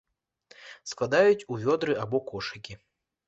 Складаюць у вёдры або кошыкі.